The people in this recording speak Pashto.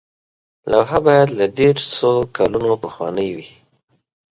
لوحه باید له دیرشو کلونو پخوانۍ وي.